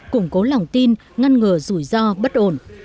củng cố lòng tin ngăn ngừa rủi ro bất ổn